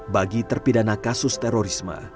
bagi terpidana kasus terorisme